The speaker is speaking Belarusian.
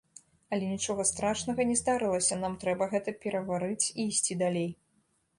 Але нічога страшнага не здарылася, нам трэба гэта пераварыць і ісці далей.